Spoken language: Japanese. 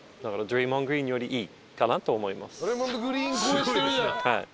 すごいですね。